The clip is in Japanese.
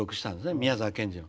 宮沢賢治の。